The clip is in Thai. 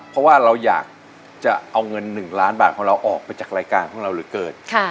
เพราะว่าเราอยากจะเอาเงิน๑ล้านบาทของเราออกไปจากรายการของเราเหลือเกิน